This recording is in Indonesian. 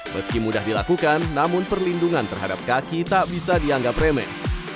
meski mudah dilakukan namun perlindungan terhadap kaki tak bisa dianggap remeh